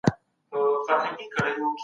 خوشحالي زموږ حق دی.